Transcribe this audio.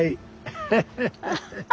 ハハハハ！